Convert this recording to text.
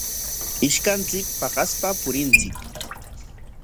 Ishkanchik paqaspa purinchik.